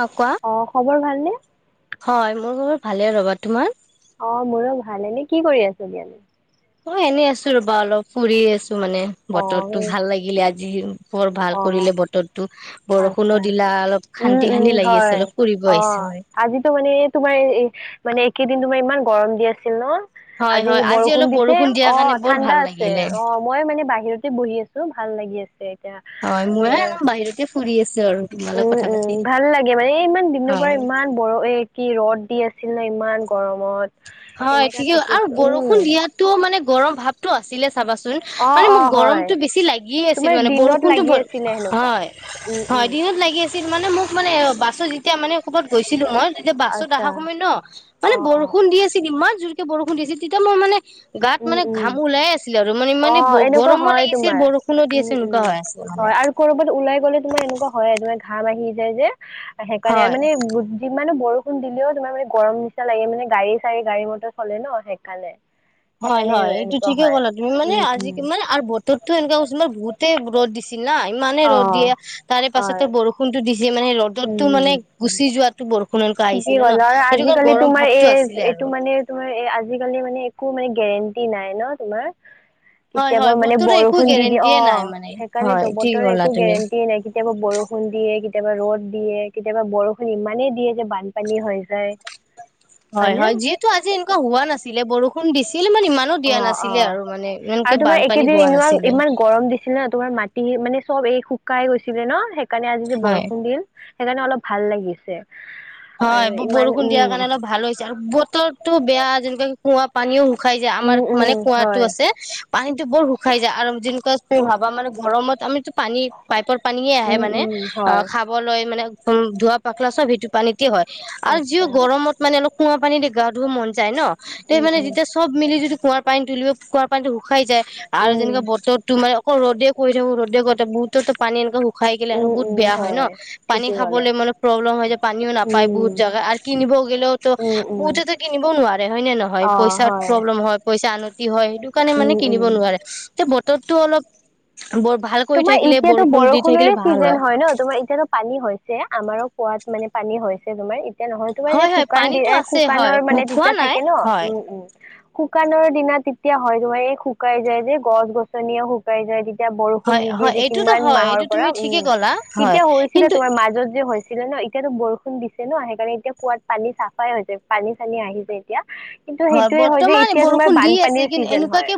অ', কোৱা। খবৰ ভালনে? হয়, মোৰ ভালে ৰ'বা তোমাৰ? অ', মোৰো ভাল। এনে কি কৰি আছে বিয়নী? অ', এনেই আছোঁ ৰ'বা অলপ ফুৰি আছোঁ মানে, অ বতৰটো সেই ভাল লাগিলে আজি। বৰ অ ভাল কৰিলে বতৰটো, বৰষুণো আচ্ছা দিলা অলপ উম শান্তি, উম শান্তি লাগি আছে হয় অলপ ফুৰিব অ আহিছোঁ। আজিতো মানে তোমাৰ মানে একেদিন তোমাৰ ইমান গৰম দি আছ ন! হয় আজি হয় বৰষুণ অলপ দিছে দিয়াৰ কাৰণে অ', বৰ ঠাণ্ডা ভাল আছে, লাগিলে অ', মই মানে বাহিৰতে বহি আ চো, ভাল লাগি আছে। এতিয়া হয়, তোমাৰ ময়ো বাহিৰতে ফুৰি আছোঁ আৰু। তোমালত উম, কথা উম পাতি ভাল লাগে মানে এই ইমান দিনৰ পৰা হয় ইমান বৰ এই কি ৰ'দ দি আছিলে ইমান গৰমত হয়, কেনেকা ঠিকে থাকি আৰু আছো উম বৰষুণ দিয়াটো মানে গৰম ভাৱটো আছিলে চাবাচোন অ মানে অ মোক গৰ হয় গৰমটো বেছি লাগিয়ে আছিল তোমাৰ মানে দিনত বৰষুণতো লাগি আছিলে সেনেকুৱা। হয়, উম, হয়, উম, দিনত লাগি আ চিৰ মানে মোক মানে বাচ তেতিয়া মানে ক'ৰবাত গৈছিলোঁ মই তেতিয়া বাছত আচ্ছা। আহা সময় ন! মানে অ', অ', বৰষুণ দি আছি ইমান জোৰকে বৰষুণ দি আছিল তেতিয়া মই মানে গাত উম, মানে উম, ঘাম ওলায়ে আছিল আৰু মানে ইমানে অ', এনেকুৱা ব-গৰমো হয় লাগিছিল, তোমাৰ। বৰষুণো দি উম, আছিল উম। এনেকুৱা হৈ আছিল মানে হয় আৰু কৰ'বাত ওলাই গ'লে তোমাৰ এনেকুৱা হয়ে [unintelligible] ঘাম আহি যায় যে, সেইকাৰণে হয় মানে যিমানো বৰষুণ দিলেও তোমাৰ মানে গৰম নিচিনা লাগে মানে গাড়ী, চাড়ী, গাড়ী মটৰ চলে ন! সেইকাৰণে। হয়, সেইকাৰণে হয়, এইটো এনেকুৱা ঠিকে হয়। ক'লা তুমি মানে উম, আজি উম। মানে আৰু বতৰতো এনেকুৱা [unintelligible] বহুতে ৰ'দ দিছিল না মানে ৰ'দ অ', দিয়ে, তাৰে পাছত হয়, বৰষুণতো দিছে মানে উম। ৰ'দতটো মানে উম গুচি যোৱাতো বৰষুণ এনেকুৱা ঠিকেই আহিছিলে ন ক'লা আৰু সেইটো কাৰণে আজিকালি গৰম তোমাৰ ভাৱটো এই, আছিলে আৰু এইটো মানে তোমাৰ এ, আজিকালি মানে একো মানে গেৰেণ্টি নাই ন! তোমাৰ। হয় কেতিয়াবা হয় মানে বতৰৰ একো বৰষুণ দি দিয়ে গেৰেণ্টিয়ে নাই অ', মানে সেইকাৰণেটো হয় ঠিক বতৰে ক'লা একো তুমি গেৰেণ্টি নাই কেতিয়াবা বৰ [unintelligible] কেতিয়াবা ৰ'দ দিয়ে, কেতিয়াবা বৰষুণ ইমানেই দিয়ে যে, বানপানী হৈ যায়। হয়, হয়নে হয়, যিহেতু আজি এনেকুৱা হোৱা নাছিলে বৰষুণ দিছি অ', অ', এনেকে আৰু তোমাৰ বানপানী একেদিন হোৱা ইমান, নাছিলে ইমান গৰম দিছিল ন! তোমাৰ মাটি মানে চব এই শুকাই গৈছিলে ন! সেইকাৰণে আজি যে, হয় বৰষুণ দিন সেইকাৰণে অলপ ভাল লাগিছে। আৰু হয়, ইমান ব-বৰষুণ উম দিয়াৰ কাৰণে অলপ ভাল হৈছে আৰু বতৰটো বেয়া যেনেকে কুঁৱা পানীও খাই যায় উম আমাৰ উম মানে কুঁৱাটো হয় আছে পানীতো বৰ খাই যায় আৰু [unintelligible] মানে গৰমত আমিতো পানী পাইপৰ পানীয়ে আহে উম মানে উম অ হয় খাবলৈ মানে ধোৱা পাখলা চব সেইটো পানীত, হয় আৰু যিও আচ্ছা গৰমত মানে অলপ কুৱা পানী দি গা ধুৱা মন যায় ন তে উম মানে উম যেতিয়া চব মিলি, িটো কুঁৱাৰ পানী তুলিবে কুঁৱ পানীটো শুাই যায় আৰু উম যেনেে বতৰত তো মানে অকল ৰদে কৈ থাকো ৰদে, এ বুতো পানী এনেককা শুকাই গেলে আৰু উম বহুত উম বেয়া হয় ন পানী ঠিকেই ক'লা খাবলে মানে প্ৰব্লেম হয় যায়। নাপ উম বহুত জা আৰু কিনিব গ'লেওো উম উম বহুতেো কিনিবও নোৱাৰে হয় নে নহয় অ পইচ, হয় পইচা আনতি হয় সেইটো কাৰণে উম মানে উম কিনিব নোৱাৰে এয়া বতৰটো অলপ, বৰ ভাল কৰি তোমাৰ থাকিলে এতিয়াতো বৰষুণ দি বৰষুণৰে থাকিলে ভাল চিজন হয় ন তোমাৰ এতিয়াতো পানী হৈছে আমাৰো পোৱাত মানে পানী হৈছে তোমাৰ, তেতিয়া নহয় তোমাৰ যে হয় হয় শুকান দি পানীতো আছে হয় শুকানৰ মানে খোৱা তেতিয়া নাই থাকে ন হয় উম উম! শুকানৰ দিনা তেতিয়া হয় তোমাৰ এই শুকাই যায় যে গছ গছনিয়ে শুকাই যায় তেতিয়া বৰ বৰষুণ হয় নিদিয়ে হয় যে এইটোতো কিমান হয় মাহৰ এইটো পৰা তুমি উম ঠিকে ক'লা হয় তেতিয়া হৈছিলে কিন্তু তোমাৰ মাজত যে হৈছিলে ন এতিয়াতো বৰষুণ দিছে ন সেইকাৰণে এতিয়া কুৱাত পানী চাফাই হৈছোয় পানী চানী আহি যায় এতিয়া, কিন্তু হয় সেইটোয়ে যে বৰ্তমান এতিয়া তোমাৰ বৰষুণ দি আছে বানপানীৰ কিন্তু চিজন হয় এনেকুৱাকে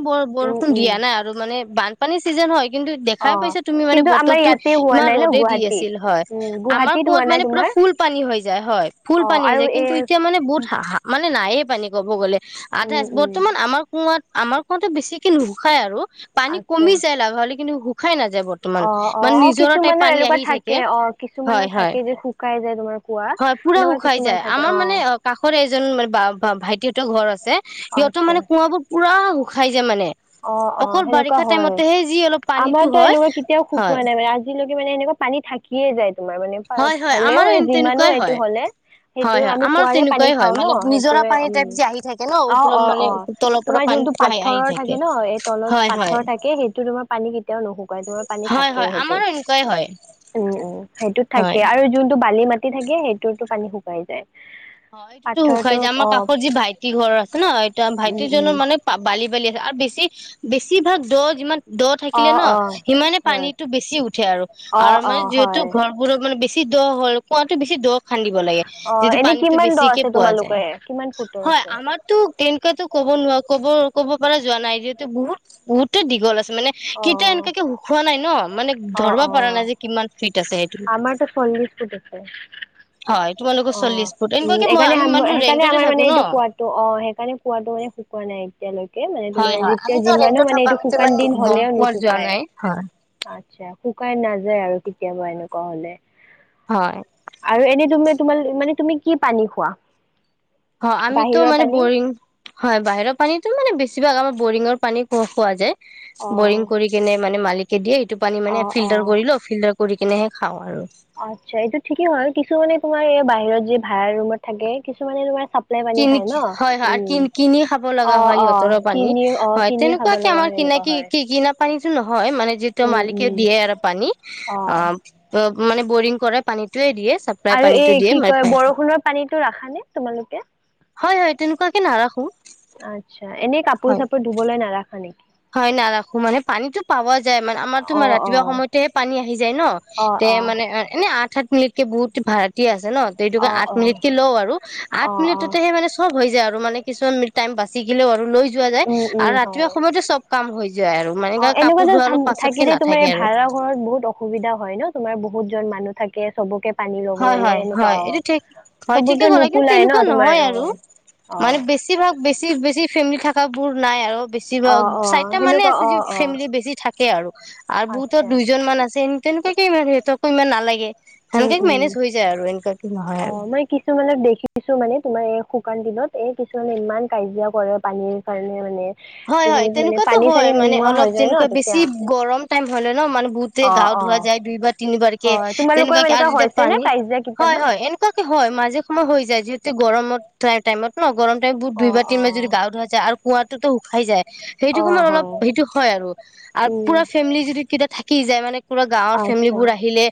উম বৰষুণ উম দিয়া নাই আৰু মানোন বানপানীৰ চিজন হয়। কিন্তু অ দেখাই পাইছা তুমি মানে কিন্তু আমাৰ বতৰতো ইয়াতে হোৱা ইমান নাই ন ৰ'দে দি গুৱাহাটীত আছিল হয় উম আমাৰ গুৱাহাটীত হোৱা কুঁৱাত নাই মানে পুৰা তোমাৰ ফুল পানী হৈ যায় হয় ফুল অ পানী হৈ আৰু যায় কিন্তু এই এতিয়া মানে বহুত হাহা মানে নায়য়ে পানী ক'ব গ'লে। আধা উম উম বৰ্তমান আমাৰ কুঁৱাত আমাৰ কোঁৱাতে বেছিকে নোসায় আৰু পানী আচ্ছা কমি যায় লাভাললে কিন্তু শুখাই নাথায়। বৰ্তমান অ অ মানে অ নিজৰ াই কিছুমানৰ পানী এনেকুৱা আহি থাকে অ কিছুমানৰ হয় হয়! থাকে যে শুকাই যায় তোমাৰ কোৱা হয় পুৰা এনেকুৱা শুকাই কিছুমান যায় থাকে আমাৰ মানে অ কাষৰ এজনান ভাইটিটো ঘৰ আছে সিহঁতো আচ্ছা মানে কুঁৱা বোৰ পুৰা শুকাই য মানে, অ অ অকল সেনেকুৱা বাৰিষা হয় টাইমতেহে যি অলপ পানীটো আমাৰতো হয় এনেকুৱা কেতিয়াও হয় শুকোৱা নাই মানে আজিলৈকে, মানে এনেুৱা পানী থাকিয়ে যায় তোমাৰ মানে হয় হয় হলেও আমাৰো মানে যিমানো তেনেকুৱাই এইটো হয় হ'লে সেইটো হয় হয় আমি আমাৰ কুঁৱাৰে পানী তেনেকুৱাই খাওঁ হয় ন মানে নিজৰা সেইটোয়ে পানী উম টাইপ যে আহি থাকে ন অ', অ', ওপৰত মানে অ', তলৰ তোমাৰ পৰা পানী, যোনটো পাই পাথৰৰ আহ য থাকে ন এই তলত পাথৰ থাকে সেইটো তোমাৰ পানী কেতিয়াও নুশুকাই তোমাৰ পানী হয় থাকে হয় সেইটোত, আমাৰো উম, উম, [inaudible] সেইটোত হয় থাকে আৰু যোনটো বালি মাটি থাকে সেইটোতো পানী শুকাই যায়। অ এইটোো শুকাই পাথৰটো যায় আমাৰ অ', কষৰ যি ভাইটি ঘৰ আছে ন এইটো উম, ভাইটি উম, জনৰ মানে বালি বালি আছে আৰু বেছি, বেছিভাগ দজ ইমান দ থাকিলে অ', ন অ', সিমানে হয়। পানীতটো বেচি উঠে আৰু আৰু অ', মানে অ', যিহেতু হয় ঘৰবোৰত মানে বেছি, দ' হ'ল কুঁৱাতটো বেছি দ' খান্দিব লাগে অ', যিটো এনে পানী কিমান দ বেছিকে আছে পোৱা যায় তোমালোকে কিমান ফুটৰ হয় আছে? আমাৰতো তেনেকুৱাতো কব নোৱাৰা ক'ব। ক'ব পৰা যোৱা নাই যিহেতু বহুত বহুততে দীঘল আছে। মানে কেতিয়া অ', এনেকুৱাকে শুখোৱা নাই ন মানে অ', ধৰিব পৰা নাই যে কিমান ফিট আছে সেইটো- ইলিছজছে [inaudible] হয় তো মালোকো চল্লিছ উম সকাৰণে সেইকাৰণে আমাৰ মানে ন এইটো কোৱাাতটো অ সেইণে কোৱাাতটো মানে শুকোৱা নাই এতিয়ালৈকে, মানে তোমাৰ হয় হয় যেতিয়া আমিতো যিমানো ৰেন্টত মানে থাকো এইটো আমিতো শুকান ইমান দিন গম হলেও পোৱা যোৱা নুশুকাই নাই হয় আ আা শুকাই নাযায় আৰু কেতিয়াবা এনেকুৱা হলে হয় আৰু এনেই তমে, তোমাৰ মানে তুমি কি পানী খোৱা। অ আমিতো বাহিৰৰ মানে পানী বৰিং হয় বাহিৰৰ পানীতো মানে বেছি। বেছিভাগ আমাৰ বৰিঙৰ পানী খোৱা যায় বৰিং অ', কৰি কিনে মানে মালিকে দিয়ে এইটো পানী মানে অ', ফিল্টাৰ অ'। কৰি লো ফিল্টাৰ কৰি কিনেহে খাওঁ আৰু আচ্ছা এইটো ঠিকেই হয় আৰু কিছুমানে তোমাৰ এই বাহিৰত য যে ভাড়াৰ ৰুমত থাকে কিছুমানে তোমাৰ, চাপ্লাই পানী িন খায় ন? হয় হয় আৰু উম, কিন কিনি খাব লগা অ', হয় অ', সিহঁতৰৰ পানী কিনি অ', হয় কিনি খাব তেনেকুৱাকে লগা আমাৰ হয় কিিন এনেকুৱা কিি হয়। কি কিনা পানীতো নহয় মানে যিটো উম, মালিকে উম, দিয়ে আৰু পানী অ ত মানে বৰিং কৰে পানীতয়ে দিয়ে। চাপ্লাই আৰু পানীটো এই দিয়ে কি মানে কয় পাই বৰষুণৰ পানীো ৰাখাানে তোমালোকে, হয় হয় তেনেকুৱাকে নাৰাখো আচ্ছা এনেই কাপোৰ হয় চাপোৰ ধুবলৈ নাৰাখ নকি হয় নাৰাখো মানে পানীতটো পাৱ যায় মানে আমাৰতো অ', ৰাতিপুৱা অ', সময়তেহে পানী আহি যায় ন অ', এ অ', মানে এনে আঠ সাত মিনিটকে বহুত ভডাৰাতি আছে ন তেটোোকে অ', আঠ মিনিট অ', কেে লও আৰু আঠ অ', অ', মিনিটতে সে মানে চব হৈ যায় আৰু মানে কিছুমান টাইম বাচিিকিললেও আৰু লৈ যোৱা যায় উম, উম, আৰু ৰাতিপুৱা হয়। সময়তো চব কাম হৈ যায় আৰু মানে অ এনেকুৱা কাপোৰ যে ধোৱা অলপ পাছতকে থাকিলে তোমাৰ নাথাকে এই আৰু ভাড়া ঘৰত বহুত অসুবিধা হয় ন তোমাৰ বহুত জন মানুহ থাকে চবকে পানী ল'ব হয় নে হয় এনেকুৱা হয় অ', এইটো হয় ঠিকে চবকে কৰাা কিন্তু নোকোলাই তেনেকুৱা ন তোমাৰ নহয় আৰু অ'। মানে অ', বেছিভাগ বেছি বেছি ফেমিলি থকা বোৰ নাই আৰু বেছি বা অ', অ', চাৰিটা মানে সেনেকুৱা আছে য অ', অ', ফেমিলি বেছি থাক তাকে আৰু বহুতৰ আচ্ছা দুইজনমান আছে তেনেকুৱাকে ইমান সিহতকো ইমান নালাগে উম, সেনেকে উম মেনেজ হৈ যায় আৰু এনেকুৱাকে নহয় অ আৰু মই কিছুমানত দেখিছো মানে তোমাৰ শুকান দিনত এ কিছুমানে ইমান কাজিয়া কৰে পানীৰ কাৰণে মানে হয় হয় বহুত মানে তেনেকুৱাতো পানী চানী হয় মানে নোহোৱা হৈ অলপ যায় ন যেনেকুৱা বেছি তেতিয়া গৰম টাইম হলে ন মানে বুতে অ গাঁত অ ধোৱা যায় দুই বাাৰ তিনিবাৰ কেে হয় তোমালোকৰ তেনেকুৱা গ এনেকা যেতিয়া হৈছে নে পানী কাজিয়া হয় কেতিয়াবা হয় এনেকুৱাকে হয় মাজে সময় হৈ যায় যিহেতু গৰমত টম টাইম ন অ গৰমাইমুতইবাৰ অ তিনাৰ যদি গা ধা যায় আৰু কঁৱাো অ সেইান অলপ হয় সেইটো হয় আৰু উম পুৰা ফেমিলি যদি ক থাকি যায় মানে পুৰা গাৱৰ ফেমিলী আচ্ছা বোৰ আহিলে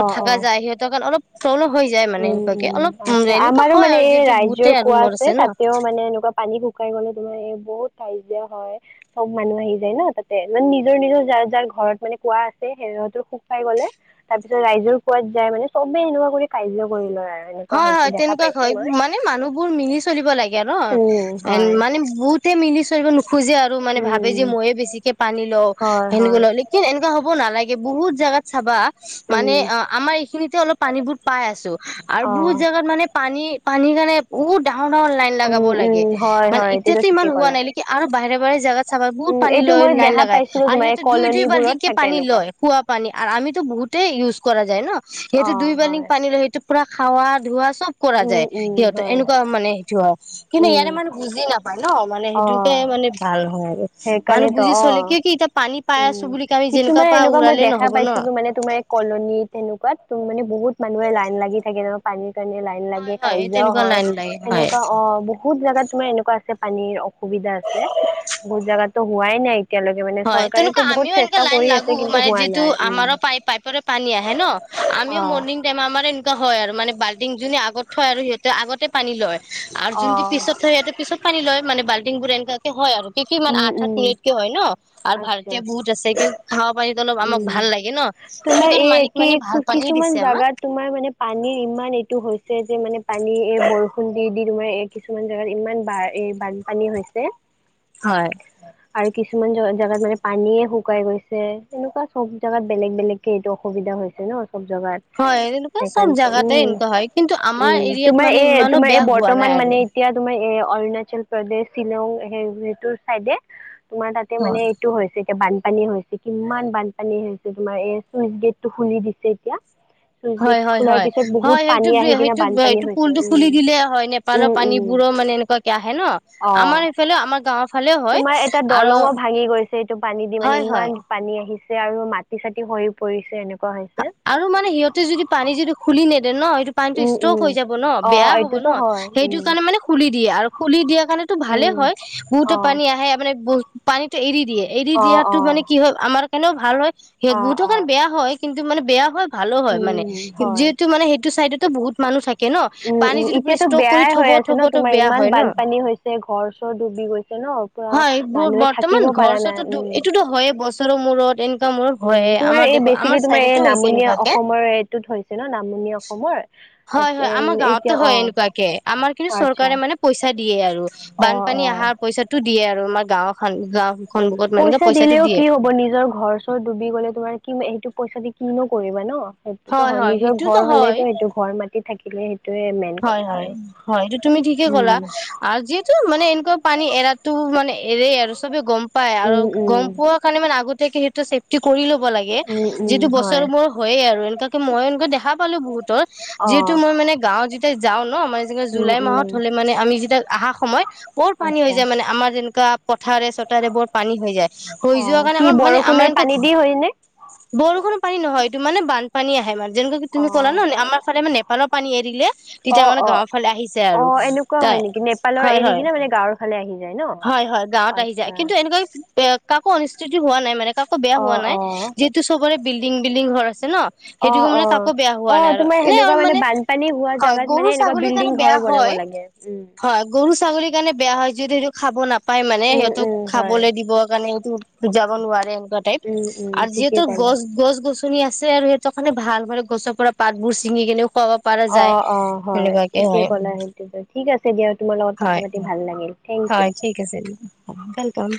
অ অ থাককা যায় সিহতৰ কাৰণ অলপ প্ৰব্লেম হৈ যায় মানে উম, এনেকুৱাকে উম, অলপ আচ্ছা এনেকুৱা আমাৰো হয় মানে আৰু এই যিহেতু ৰাইজৰ বহুতে আৰু কোৱা ৰুমত আছে ন তাতেও মানে এনেকুৱা পানী শুকাই গলে তোমাৰ এই বহুত কাজিয়া হয় চব মানুহ আহি যায় ন তাতে মানে নিজৰ নিজৰ য যাৰ ঘৰত মানে কোৱা আছে সেইহতো সুখ খাই গলে তাৰ পিছত ৰাইজৰ কোৱাত যায় মানে চবে এনেকুৱা কৰি কাৰাহ্য কৰি লয় আৰু এনেকুৱা হয় হৈছে হয় দেখা তেনেকুৱা পাইছো হয় মই। মানে মানুহবোৰ মিলি চলিব লাগে ন উম, এ হয়, মানে বহুত মিলি চ খোজে আৰু মানে ভাবে উম, যে ময়েছিকে পানী লওঁ হয়, সেনেকে হয়, ল লিন এনেকুৱা হ'ব নালাগে বহুত জাগাত চাবা মানে উম, অ আমাৰ এইখিনিতে অলপ পানীবোৰ পাই আছো বহুত অ'। জোগাত মানে পানী পানীৰ কাৰণে বহুত লন লাব উম, উম, লাগে হয়, মানে হয়, এইটোতো এতিয়াাতটো ইমান ঠিকেই হোৱা ক'লা। নাই ন আৰু বাহ ব চাবা বহুত উম, পানী এইটো লয় মই লাইন দেখা লগাই পাইছিলো আৰু তোমাৰ এই সিহতে দুই দুই বাল্ি কলনীবোৰত কেে থাকে পানী এনেকুৱা। লয় খোৱা পানী আৰু আমিতো বহুত ন সহ অ', দুই বি হয়, পান ল খ চব কৰা উম, যায় উম, সিহঁতৰ হয়। এনেকুৱা মানে সটো হয় কিন্তু ইয়াৰে উম, মানে বুজি নাপায় ন মানে সেইটোোকে মানে ভাল হয় আৰু মানুহ সেইকাৰণে তো বুজি অ চলে কিয় কি এতিয়া পানী পাই উম আছো বুলি আমি যেনেকুৱা কিছুমান পা এনেকুৱা মই উৰালে দেখা নহ'ব ন পাইছিলো মানে তোমাৰ কলনী তেনেকুৱাত ত মানে বহুত মানুহে লাইন লাগি থাকে তাৰমাৰ পানী কাৰণে লাইন লাগে হয় হয় এই কাজজাও তেনেকুৱা হয় লাইন লাগে হয় সেনেকুৱা অ বহুত জাগাত তোমাৰ এনেকুৱা আছে পানীৰ অসুবিধা আছে বহুত জাগাতো হোৱাই নাই এতিয়ালৈকে মানে হয় চৰকাৰেতো তেনেকুৱা বহুত আমিও এনেকুৱা চেষ্টা লাইন কৰি আছে লাগো কিন্তু মানে হোৱা যিটো নাই উম। আমাৰো পাই পাইপৰে পানী আহে ন আমিও অ', মৰ্ণিং টাইম আমাৰ এনেুৱা হয় আৰু মানে বাল্টিং য আগত থয় আৰু সিহতে আগতে পানী লয় আৰু যোনটো অ', পিছত থয় সিহতে পিছত পানী লয় মানে বাল্টিং বোৰ এনেকুৱাকে হয় আৰু কি কিি ইমান উম, আঠ সাত উম, মিনিট কেে হয় ন আৰু আচ্ছা, ভাৰতীয় বহুত আছে কিন্তু খাৱা পানীো অলপ আমাক উম। ভাল লাগে ন সেই তোমাৰ কাৰণ এই মালিক কি মানে ভাল পানী কিছুমান জোগাত তোমাৰ মানে পানীৰ ইমান এইটো হৈছে যে মানে পানী এই বৰষুণ দি তোমাৰ এ কিছুমান জোগাত ইমান ব বানপানী হৈছে হয় আৰু কিছুমান জ জেগাত মানে পানীয়ে শুকাই গৈছে এনেকুৱা চব জোগাত বেলেগ বেলেগ কেে এইটো অসুবিধা হৈছে ন জাত হয় এনেকুৱা সেই চব উ জাগাতে এনেকুৱা হয় কিন্তু উ আমাৰ এৰিয়াত তোমাৰ মানে এই ইমানো তোমাৰ এই বেয়া হোৱা বৰ্তমান নাই মানে আৰু এতিয়া তোমাৰ এ অৰুণাচল প্ৰদেশ শ্বিলং সেই সেইটোৰ চাইডে তোমাৰ তাতে হয় মানে এইটো হৈছে এতিয়াানপ বানপানী হৈছে কিমান বানপানী হৈছে তোমাৰ এ চুইচ গেট টো খুলি দিছে এতিয়া, চুইচ গেট হয় হয় খোলাৰ হয় পিছত বহুত হয় সেইটো পানী আহি কিনে বানপানী সেইটোটো হৈছে পুলটো উম। খুলি দিলে হয় উম নেপালৰ উম পানীবোৰ, মানে এনেকুৱাকে আহে ন অ আমাৰ সফে আম গৱৰ তোমাৰ এটা দলঙো ভাঙি গৈছে এইটো পানী দি মানে হয় হয় ইমান পানী আহিছে, আৰু মাটি চাতি হৈ পৰিছে এনেকুৱা, হৈছে আৰু মানে সিহঁতে যদি পানী যদি খুলি নেদে ন পানীটো উম ষ্টক উম হৈ যাব ন অ বেয়া হ'ব ন এইটোতো হয় সেইটো উম কাৰণে মানে খুলি দিয়ে আৰু খুলি দিয়াৰ কাৰণেো ভালেই উম হয় বহুতো অ পানী আহে মানে পানীতটো এৰি দিয়ে এৰি অ দিয়াতো অ মানে কি হয় আমাৰ কাৰণেও ভাল হয় অ অ বহুতোকণ বেয়া হয়। কিন্তু মানে বেয়া হয়। ভালো হয় মানে উম হয় যিহেতু মানে সেইটো চাইডতো বহুত মানুহ থাকে ন পানী যিটো প ষ্টৰ কৰি থ'ব। আ ন থব তো তোমাৰ বেয়া ইমান হয় ন বানপানী হৈছে ঘৰ চৰ ডুবি গৈছে ন পুৰা মানুহে থাকিব পাৰা। নাই ছো উম এইটোতো হয়েই বছৰৰ মূৰত এনেকুৱা মূৰত হয় আমাৰ দেখ আমাৰ আমাৰ চাইডতে এই হৈছে নামনি এনেকুৱাকে অসমৰ এইটোত হৈছে ন নামনি অসমৰ স এতিয়া অ কুৱে আমাৰ কিন্তু আচ্ছা চৰকাৰে মানে পইচা দিয়ে আৰু অ', বানপানী অহাৰ অ'। পইচাটো, দিয়ে আৰু আমাৰ গাঁও খান গাও পইচা দিলেও কি হ'ব নিজৰ ঘৰ চৰত ডুবি গ'লে তোমাৰ কি সেইটো পইচা দি, কিনো কৰিবা ন সেইটোতো হয় নিজৰ ঘৰ হলেতো সেইটো ঘৰ মাটিত থাকিলে সেই হয় হয় হয় এইটো তুমি ঠিকে উম, ক'লা আৰু যিহেতু মানে এনেকুৱা পানী এৰাতটো মানে, এৰে আৰু চবে গম পাই আৰু উম, উম, গম পোৱা কাৰণে মানে আগতোকে সেইটো চেফটি কৰি ল'ব উম, উম, হয় ব হয় আৰু এ মই দেখা পালো বুত য অ', মই, মান গও যাওঁ ন মানে উম, জুলাই মাহত উম। হলে মানে আমি যেতিয়া অহা সময়ত বৰ পানী হৈ আচ্ছা যায় মানে আমাৰ তেনো কঠাৰে চতাৰে বৰ পানী হৈ যায় হৈ যোৱা অ', কাৰণে কি আমাৰ মানে আমাৰ বৰষুণৰ এ পানী দি হয়নে? বৰষুণ পানী নহয় এইটো মানে বানপানী আহে মানে যেনেকা কি তুমি ক'লা ন অ', আমাৰ ফালে মানেপৰ পান এৰিলে তেতিয়া অ', মানে অ', গাঁৱৰ ফালে আহিছে অ আৰু এনেকুৱা হয় তাই নেকি নেপালৰ হয় হয় এৰি হয়। কিনে মানে গাঁৱৰ ফালে আহি যায় ন হয় হয় গাঁৱত আহি যায় আচ্ছা কিন্তু এনেকৈ কাকো অনুসিতি হোৱা নাই মানে কাকো বেয়া অ হোৱা নাই অ যিহেতু সবৰে বিল্ডিং বিল্ডিং ঘৰ, আ ন অ সেইটো অ মানে কাকো বেয়া অ হোৱা নাই আৰু তোমাৰ এনে সেনেকুৱা অল মানে বানপানী হোৱা হয় জাগাত মানে গৰু এনেকুৱা ছাগলীৰ বিল্ডিং কাৰণে ঘৰ বেয়া বনাব হয় লাগে উম হয় গৰু ছাগলীৰ কাৰণে বেয়া হয়। যদি সটো খাব নাপায়। পাই মানে উম সিহঁতক উম হয় খাবলৈ দিব কাৰণে সটোু যাব নোৱাৰে এনেকুৱা টাইপ উম উম আৰু ঠিকেই যিহেতু, ক'লা গছ গছ গছনি আছে আৰু সেইটো কাৰণে ভাল মানে গছৰ পৰা পাতবোৰ ছিঙি কেনে খুৱাব পৰা অ যায়। হয় সেনেকুৱাকে ঠিকে হয় ক'লা সেইটো ঠিক আছে দিয়া তোমাৰ লগত কথা হয় পাতি ভাল লাগিল। থেংক ইউ হয় ঠিক আছে দােল।